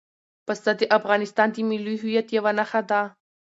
پسه د افغانستان د ملي هویت یوه نښه ده.